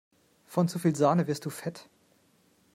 Von zu viel Sahne wirst du fett!